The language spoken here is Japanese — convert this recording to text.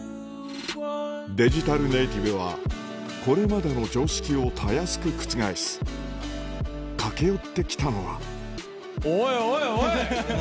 デジタルネーティブはこれまでの常識をたやすく覆す駆け寄って来たのはおいおいおい！